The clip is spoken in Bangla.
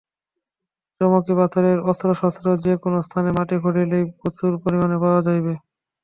চকমকি-পাথরের অস্ত্রশস্ত্রও যে-কোন স্থানে মাটি খুঁড়িলেই প্রচুর পরিমাণে পাওয়া যাইবে।